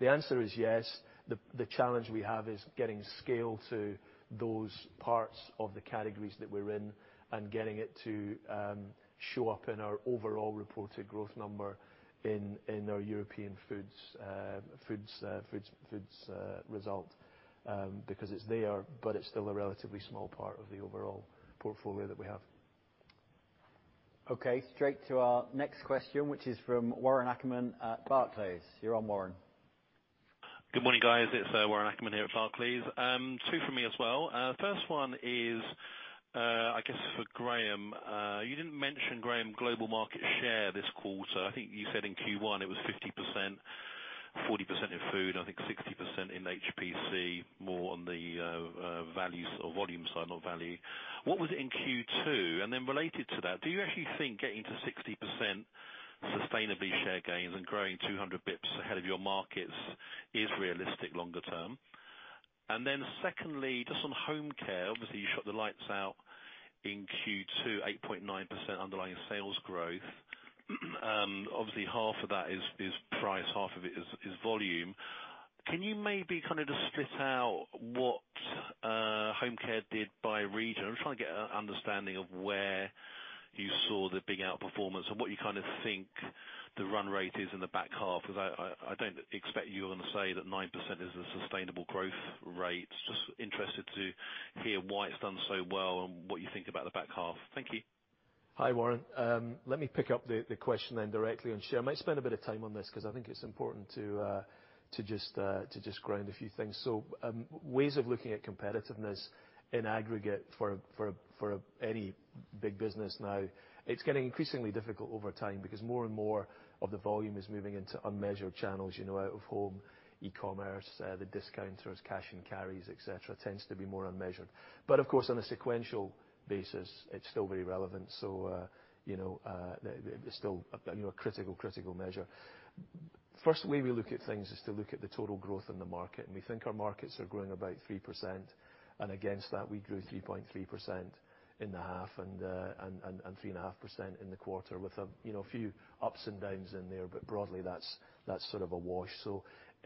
The answer is yes. The challenge we have is getting scale to those parts of the categories that we're in and getting it to show up in our overall reported growth number in our European foods result, because it's there, but it's still a relatively small part of the overall portfolio that we have. Okay, straight to our next question, which is from Warren Ackerman at Barclays. You are on, Warren. Good morning, guys. It's Warren Ackerman here at Barclays. Two from me as well. First one is, I guess for Graeme. You didn't mention, Graeme, global market share this quarter. I think you said in Q1 it was 50%, 40% in food, I think 60% in HPC, more on the volume side, not value. What was it in Q2? Related to that, do you actually think getting to 60% sustainably share gains and growing 200 basis points ahead of your markets is realistic longer term? Secondly, just on Home Care, obviously you shut the lights out in Q2, 8.9% underlying sales growth. Obviously, half of that is price, half of it is volume. Can you maybe kind of just split out what Home Care did by region? I'm trying to get an understanding of where you saw the big outperformance and what you kind of think the run rate is in the back half, because I don't expect you are going to say that 9% is a sustainable growth rate. Just interested to hear why it's done so well and what you think about the back half. Thank you. Hi, Warren. Let me pick up the question directly and share. I might spend a bit of time on this because I think it's important to just ground a few things. Ways of looking at competitiveness in aggregate for any big business now, it's getting increasingly difficult over time because more and more of the volume is moving into unmeasured channels, out of home, e-commerce, the discounters, cash and carries, et cetera, tends to be more unmeasured. Of course, on a sequential basis, it's still very relevant. It's still a critical measure. First way we look at things is to look at the total growth in the market, and we think our markets are growing about 3%. Against that, we grew 3.3% in the half and 3.5% in the quarter with a few ups and downs in there, but broadly, that's sort of a wash.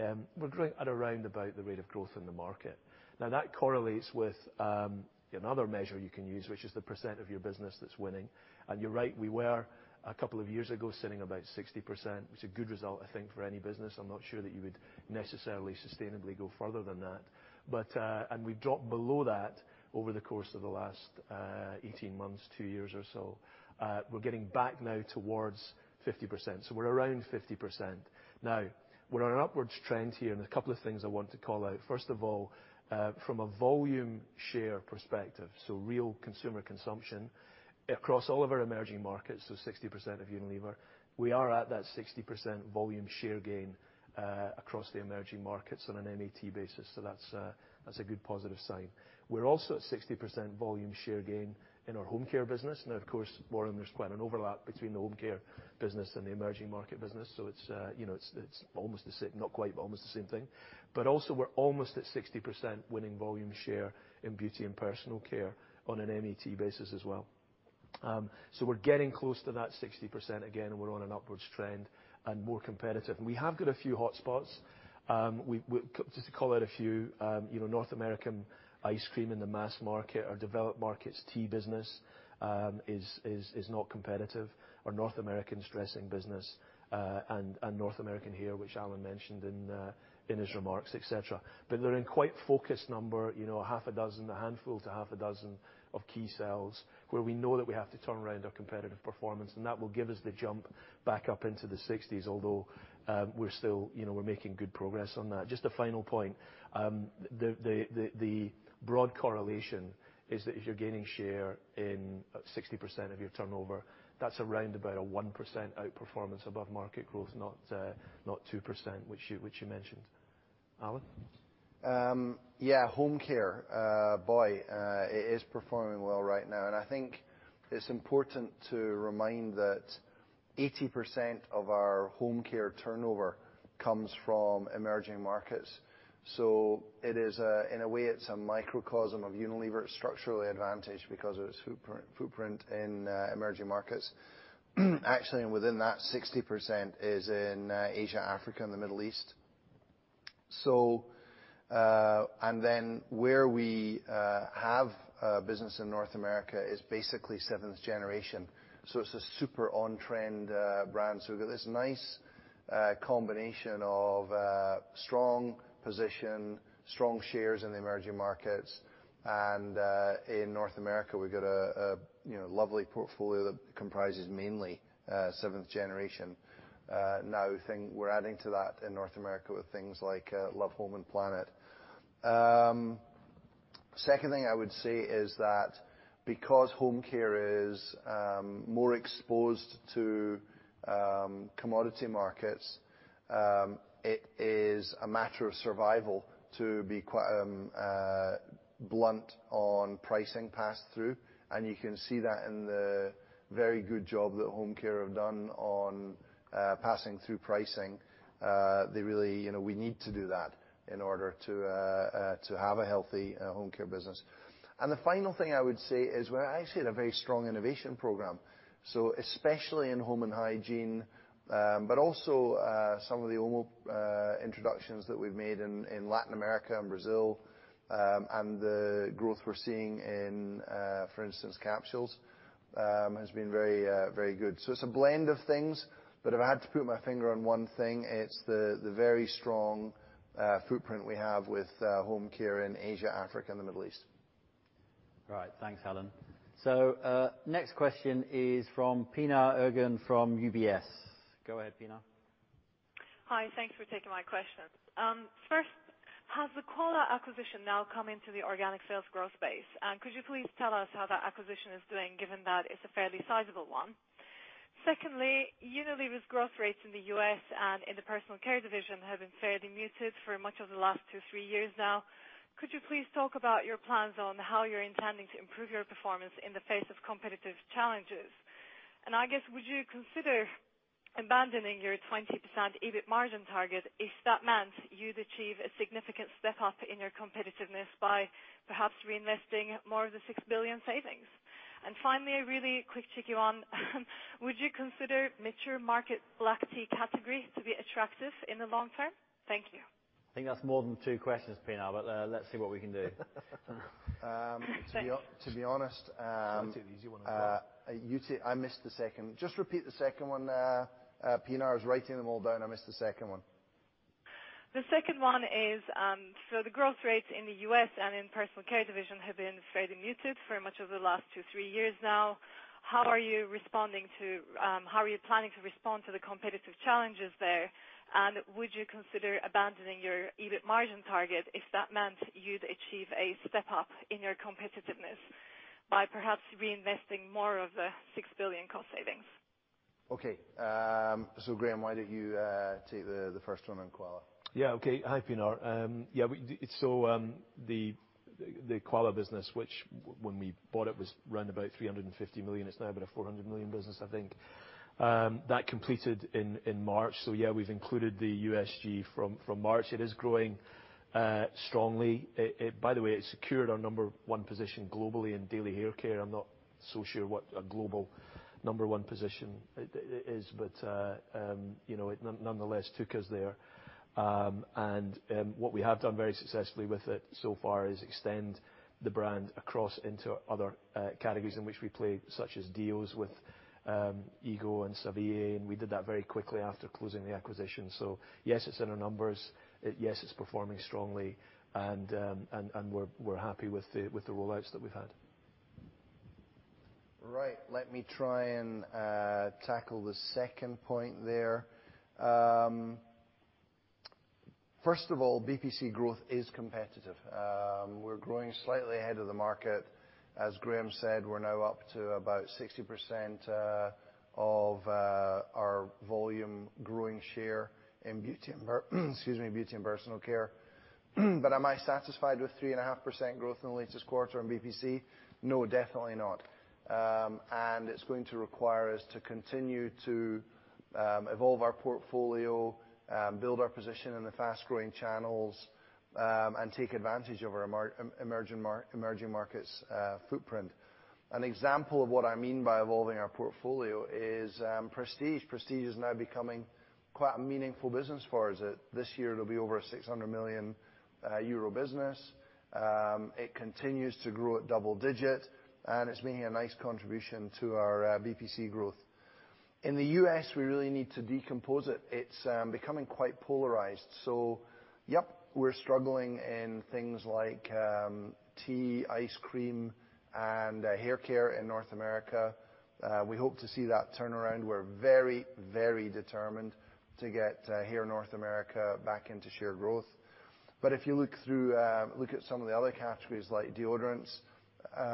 We're growing at around about the rate of growth in the market. That correlates with another measure you can use, which is the % of your business that's winning. You're right, we were a couple of years ago sitting about 60%, which is a good result, I think, for any business. I'm not sure that you would necessarily sustainably go further than that. We dropped below that over the course of the last 18 months, two years or so. We're getting back now towards 50%. We're around 50%. We're on an upwards trend here, and a couple of things I want to call out. First of all, from a volume share perspective, so real consumer consumption across all of our emerging markets, so 60% of Unilever, we are at that 60% volume share gain across the emerging markets on an MAT basis. That's a good positive sign. We're also at 60% volume share gain in our home care business. Of course, Warren, there's quite an overlap between the home care business and the emerging market business, so it's almost the same, not quite, but almost the same thing. Also, we're almost at 60% winning volume share in beauty and personal care on an MAT basis as well. We're getting close to that 60% again, and we're on an upwards trend and more competitive. We have got a few hotspots. Just to call out a few. North American ice cream in the mass market, our developed markets tea business is not competitive. Our North American dressing business, and North American hair, which Alan mentioned in his remarks, et cetera. They're in quite focused number, a handful to half a dozen of key sales, where we know that we have to turn around our competitive performance, and that will give us the jump back up into the 60s. We're making good progress on that. Just a final point. The broad correlation is that if you're gaining share in 60% of your turnover, that's around about a 1% outperformance above market growth, not 2%, which you mentioned. Alan? Yeah. Home care. Boy, it is performing well right now. I think it's important to remind that 80% of our home care turnover comes from emerging markets. In a way, it's a microcosm of Unilever. It's structurally advantaged because of its footprint in emerging markets. Actually, within that, 60% is in Asia, Africa and the Middle East. Where we have a business in North America is basically Seventh Generation. It's a super on-trend brand. We've got this nice combination of a strong position, strong shares in the emerging markets, and in North America, we've got a lovely portfolio that comprises mainly Seventh Generation. Now, we're adding to that in North America with things like Love Home and Planet. Second thing I would say is that because home care is more exposed to commodity markets, it is a matter of survival to be quite blunt on pricing pass-through, you can see that in the very good job that home care have done on passing through pricing. We need to do that in order to have a healthy home care business. The final thing I would say is we're actually at a very strong innovation program, especially in home and hygiene, but also some of the OMO introductions that we've made in Latin America and Brazil, and the growth we're seeing in, for instance, capsules, has been very good. It's a blend of things, but if I had to put my finger on one thing, it's the very strong footprint we have with home care in Asia, Africa and the Middle East. All right. Thanks, Alan. Next question is from Pinar Ergun from UBS. Go ahead, Pinar. Hi. Thanks for taking my questions. First, has the Quala acquisition now come into the organic sales growth space? Could you please tell us how that acquisition is doing, given that it's a fairly sizable one? Secondly, Unilever's growth rates in the U.S. and in the personal care division have been fairly muted for much of the last two, three years now. Could you please talk about your plans on how you're intending to improve your performance in the face of competitive challenges? I guess, would you consider abandoning your 20% EBIT margin target if that meant you'd achieve a significant step up in your competitiveness by perhaps reinvesting more of the 6 billion savings? Finally, a really quickie on, would you consider mature market black tea category to be attractive in the long term? Thank you. I think that's more than two questions, Pinar, but let's see what we can do. Thanks. To be honest- Give her the easy one as well. I missed the second. Just repeat the second one. Pinar, I was writing them all down, I missed the second one. The second one is, the growth rates in the U.S. and in personal care division have been fairly muted for much of the last two, three years now. How are you planning to respond to the competitive challenges there? Would you consider abandoning your EBIT margin target if that meant you'd achieve a step up in your competitiveness by perhaps reinvesting more of the 6 billion cost savings? Okay. Graeme, why don't you take the first one on Quala? Hi, Pinar. The Quala business, which when we bought it was around about 350 million, it's now about a 400 million business, I think. That completed in March. We've included the USG from March. It is growing strongly. By the way, it secured our number 1 position globally in daily hair care. I'm not so sure what a global number 1 position is, but it nonetheless took us there. What we have done very successfully with it so far is extend the brand across into other categories in which we play, such as deals with eGo and Savilé, and we did that very quickly after closing the acquisition. Yes, it's in our numbers. Yes, it's performing strongly. We're happy with the roll-outs that we've had. Right. Let me try and tackle the second point there. First of all, BPC growth is competitive. We're growing slightly ahead of the market. As Graeme said, we're now up to about 60% of our volume growing share in beauty and personal care. Am I satisfied with 3.5% growth in the latest quarter on BPC? No, definitely not. It's going to require us to continue to evolve our portfolio, build our position in the fast-growing channels, and take advantage of our emerging markets footprint. An example of what I mean by evolving our portfolio is Prestige. Prestige is now becoming quite a meaningful business for us. This year it'll be over a 600 million euro business. It continues to grow at double digit, and it's making a nice contribution to our BPC growth. In the U.S., we really need to decompose it. It's becoming quite polarized. Yep, we're struggling in things like tea, ice cream, and hair care in North America. We hope to see that turn around. We're very determined to get hair North America back into shared growth. If you look at some of the other categories, like deodorants,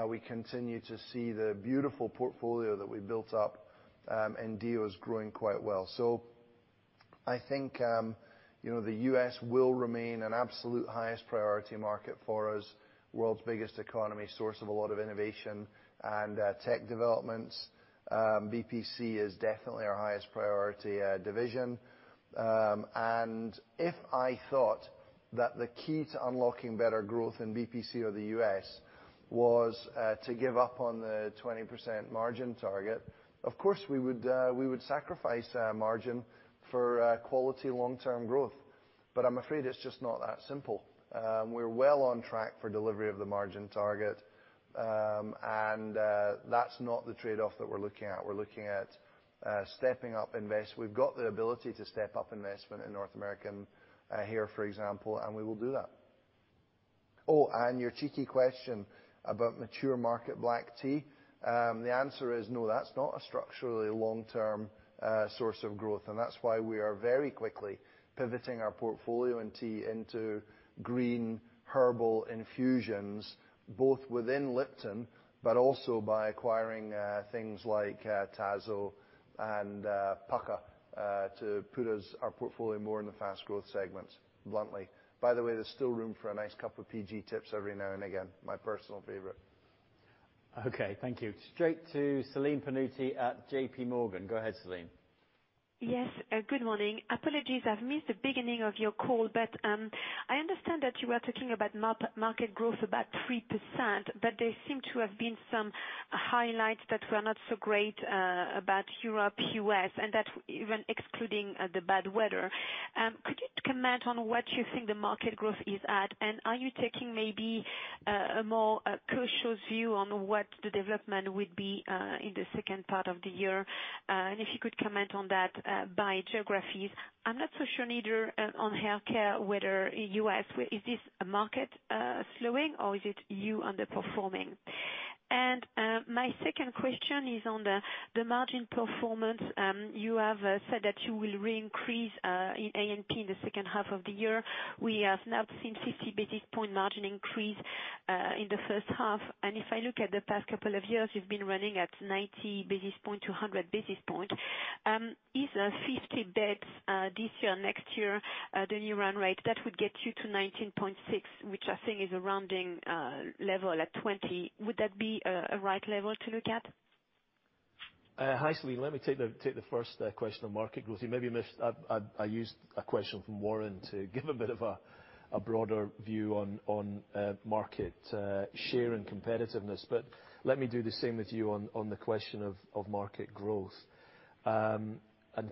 we continue to see the beautiful portfolio that we built up, and deo is growing quite well. I think the US will remain an absolute highest priority market for us, world's biggest economy, source of a lot of innovation and tech developments. BPC is definitely our highest priority division. If I thought that the key to unlocking better growth in BPC of the US was to give up on the 20% margin target, of course, we would sacrifice margin for quality long-term growth. I'm afraid it's just not that simple. We're well on track for delivery of the margin target, and that's not the trade-off that we're looking at. We're looking at stepping up invest. We've got the ability to step up investment in North American hair, for example, and we will do that. Oh, and your cheeky question about mature market black tea. The answer is no, that's not a structurally long-term source of growth, and that's why we are very quickly pivoting our portfolio in tea into green herbal infusions, both within Lipton, but also by acquiring things like TAZO and Pukka, to put our portfolio more in the fast growth segments, bluntly. By the way, there's still room for a nice cup of PG Tips every now and again. My personal favorite. Okay. Thank you. Straight to Celine Pannuti at JPMorgan. Go ahead, Celine. Yes. Good morning. Apologies, I've missed the beginning of your call. I understand that you were talking about market growth about 3%, there seem to have been some highlights that were not so great about Europe, U.S., even excluding the bad weather. Could you comment on where do you think the market growth is at? Are you taking maybe a more cautious view on what the development would be in the second part of the year? If you could comment on that by geographies. I'm not so sure either on healthcare, whether U.S., is this market slowing or is it you underperforming? My second question is on the margin performance. You have said that you will re-increase in A&P in the second half of the year. We have now seen 50 basis points margin increase in the first half. If I look at the past couple of years, you've been running at 90 basis points to 100 basis points. Is that 50 basis points this year, next year, the new run rate that would get you to 19.6, which I think is a rounding level at 20. Would that be a right level to look at? Hi, Celine. Let me take the first question on market growth. You maybe missed, I used a question from Warren to give a bit of a broader view on market share and competitiveness. Let me do the same with you on the question of market growth, and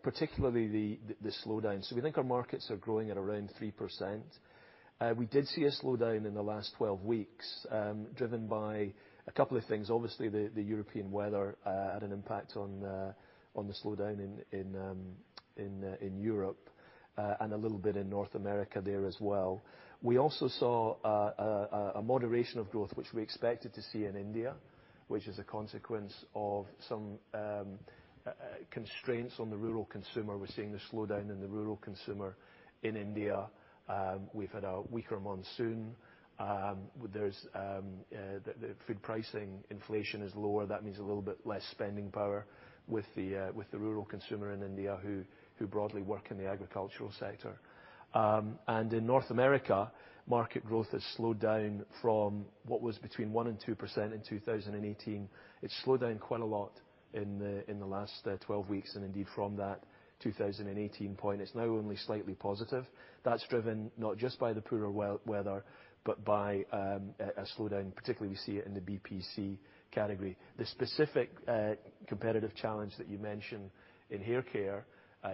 particularly the slowdown. We think our markets are growing at around 3%. We did see a slowdown in the last 12 weeks, driven by a couple of things. Obviously, the European weather had an impact on the slowdown in Europe, and a little bit in North America there as well. We also saw a moderation of growth, which we expected to see in India, which is a consequence of some constraints on the rural consumer. We're seeing the slowdown in the rural consumer in India. We've had a weaker monsoon. The food pricing inflation is lower. That means a little bit less spending power with the rural consumer in India who broadly work in the agricultural sector. In North America, market growth has slowed down from what was 1%-2% in 2018. It slowed down quite a lot in the last 12 weeks, and indeed from that 2018 point, it's now only slightly positive. That's driven not just by the poorer weather, but by a slowdown, particularly we see it in the BPC category. The specific competitive challenge that you mentioned in hair care,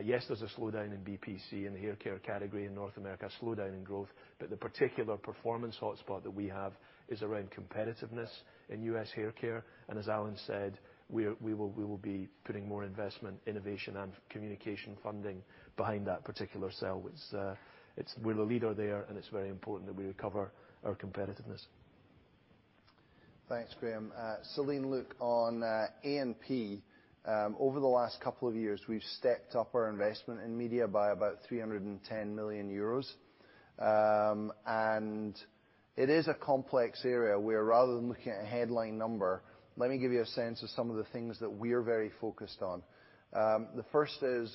yes, there's a slowdown in BPC in the hair care category in North America, a slowdown in growth, but the particular performance hotspot that we have is around competitiveness in U.S. hair care. As Alan said, we will be putting more investment, innovation, and communication funding behind that particular sell. We're the leader there, and it's very important that we recover our competitiveness. Thanks, Graeme. Celine, look, on A&P, over the last couple of years, we've stepped up our investment in media by about 310 million euros. It is a complex area where rather than looking at a headline number, let me give you a sense of some of the things that we're very focused on. The first is,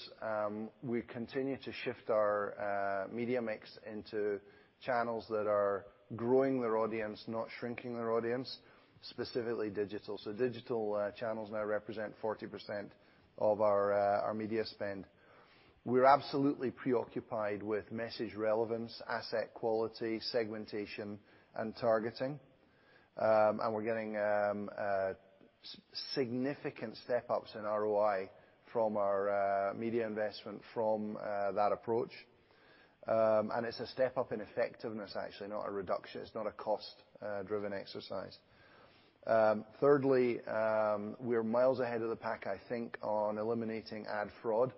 we continue to shift our media mix into channels that are growing their audience, not shrinking their audience, specifically digital. Digital channels now represent 40% of our media spend. We're absolutely preoccupied with message relevance, asset quality, segmentation, and targeting. We're getting significant step-ups in ROI from our media investment from that approach. It's a step up in effectiveness, actually, not a reduction. It's not a cost-driven exercise. Thirdly, we are miles ahead of the pack, I think, on eliminating ad fraud.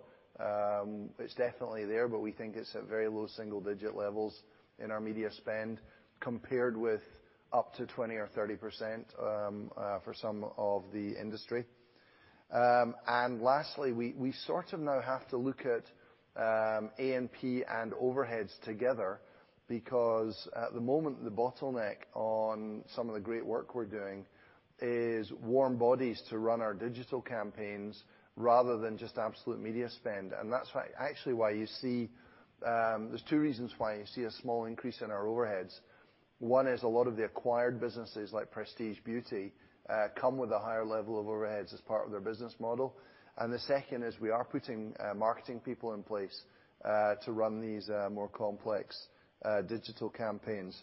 It's definitely there, but we think it's at very low single-digit levels in our media spend, compared with up to 20% or 30% for some of the industry. Lastly, we sort of now have to look at A&P and overheads together because at the moment, the bottleneck on some of the great work we're doing is warm bodies to run our digital campaigns rather than just absolute media spend. There's two reasons why you see a small increase in our overheads. One is a lot of the acquired businesses like Prestige Beauty, come with a higher level of overheads as part of their business model. The second is we are putting marketing people in place to run these more complex digital campaigns.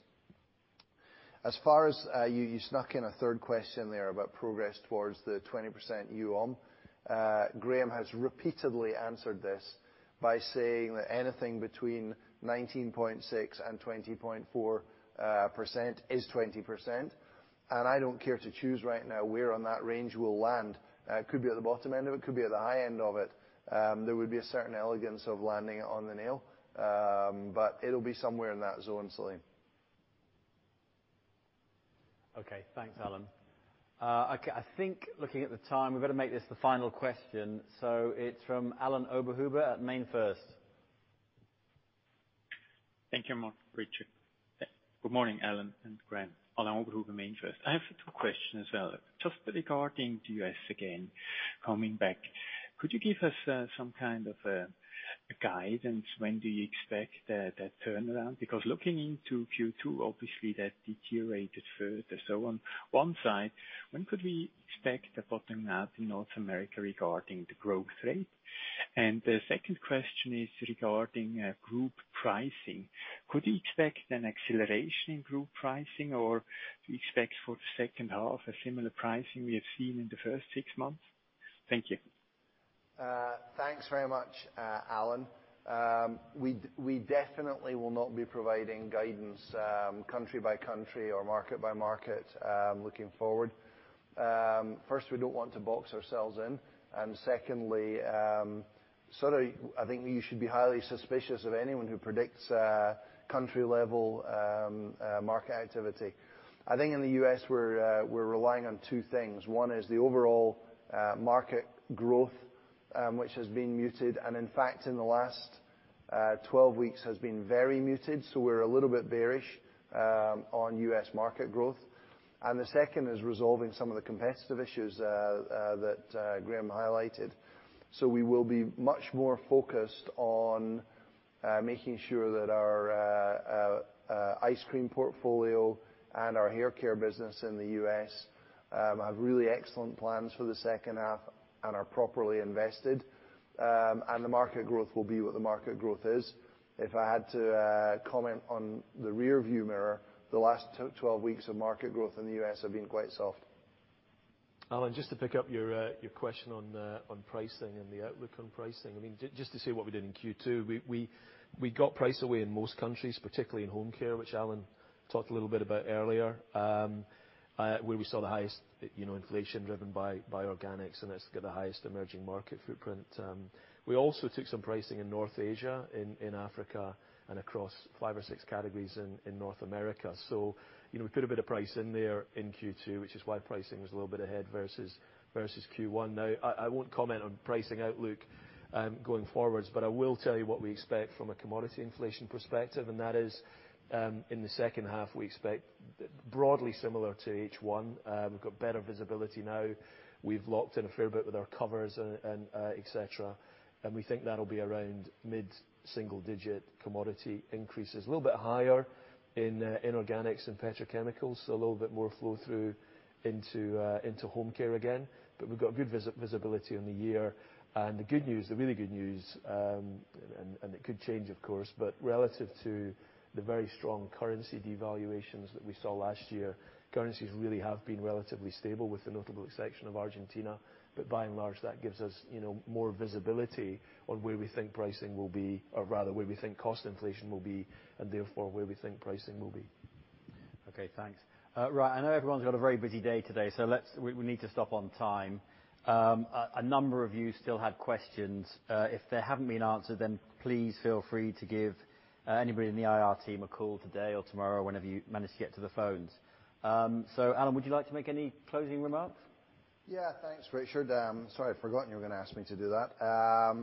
You snuck in a third question there about progress towards the 20% UOM. Graeme has repeatedly answered this by saying that anything between 19.6% and 20.4% is 20%. I don't care to choose right now where on that range we'll land. It could be at the bottom end of it could be at the high end of it. There would be a certain elegance of landing it on the nail, but it'll be somewhere in that zone, Celine. Okay. Thanks, Alan. I think looking at the time, we better make this the final question. It's from Alain Oberhuber at MainFirst. Thank you. Good morning, Alan and Graeme. Alain Oberhuber, MainFirst. I have two questions as well. Regarding the U.S. again, coming back, could you give us some kind of a guidance? When do you expect that turnaround? Because looking into Q2, obviously, that deteriorated further. On one side, when could we expect the bottom out in North America regarding the growth rate? The second question is regarding group pricing. Could we expect an acceleration in group pricing, or do you expect for the second half a similar pricing we have seen in the first six months? Thank you. Thanks very much, Alain. We definitely will not be providing guidance country by country or market by market looking forward. First, we don't want to box ourselves in, and secondly, I think you should be highly suspicious of anyone who predicts country-level market activity. I think in the U.S., we're relying on two things. One is the overall market growth, which has been muted, and in fact, in the last 12 weeks has been very muted, so we're a little bit bearish on U.S. market growth. The second is resolving some of the competitive issues that Graeme highlighted. We will be much more focused on making sure that our ice cream portfolio and our hair care business in the U.S. have really excellent plans for the second half and are properly invested. The market growth will be what the market growth is. If I had to comment on the rearview mirror, the last 12 weeks of market growth in the U.S. have been quite soft. Alan, just to pick up your question on pricing and the outlook on pricing. Just to say what we did in Q2, we got price away in most countries, particularly in home care, which Alan talked a little bit about earlier, where we saw the highest inflation driven by organics, and it has got the highest emerging market footprint. We also took some pricing in North Asia, in Africa, and across five or six categories in North America. We put a bit of price in there in Q2, which is why pricing was a little bit ahead versus Q1. I will not comment on pricing outlook going forwards, I will tell you what we expect from a commodity inflation perspective, and that is, in the second half, we expect broadly similar to H1. We have got better visibility now. We have locked in a fair bit with our covers, et cetera. We think that'll be around mid-single digit commodity increases. A little bit higher in organics and petrochemicals, so a little bit more flow-through into home care again. We've got good visibility on the year. The good news, the really good news, and it could change, of course, but relative to the very strong currency devaluations that we saw last year, currencies really have been relatively stable with the notable exception of Argentina. By and large, that gives us more visibility on where we think pricing will be, or rather where we think cost inflation will be, and therefore, where we think pricing will be. Okay, thanks. I know everyone's got a very busy day today, so we need to stop on time. A number of you still had questions. If they haven't been answered, please feel free to give anybody in the IR team a call today or tomorrow, whenever you manage to get to the phones. Alan, would you like to make any closing remarks? Yeah. Thanks, Richard. Sorry, I'd forgotten you were going to ask me to do that.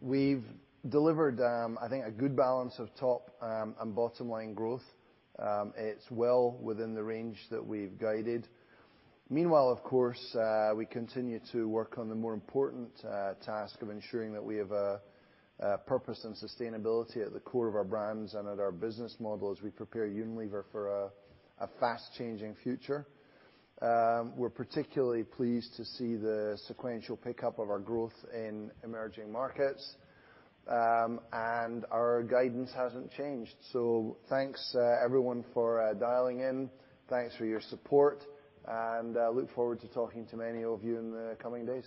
We've delivered, I think, a good balance of top and bottom line growth. It's well within the range that we've guided. Meanwhile, of course, we continue to work on the more important task of ensuring that we have purpose and sustainability at the core of our brands and at our business model as we prepare Unilever for a fast-changing future. We're particularly pleased to see the sequential pickup of our growth in emerging markets. Our guidance hasn't changed. Thanks, everyone, for dialing in. Thanks for your support and look forward to talking to many of you in the coming days.